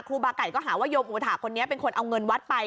บาไก่ก็หาว่าโยมอุถาคนนี้เป็นคนเอาเงินวัดไป